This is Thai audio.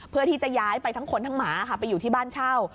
เพื่อที่จะย้ายไปทั้งคนทั้งหมาค่ะไปอยู่ที่บ้านเช่า